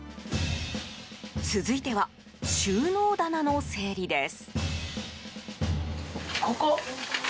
続いては、収納棚の整理です。